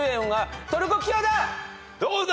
どうだ？